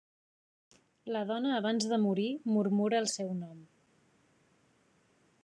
La dona abans de morir murmura el seu nom.